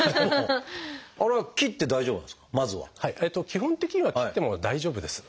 基本的には切っても大丈夫です。